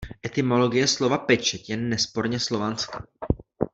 Etymologie slova pečeť je nesporně slovanská.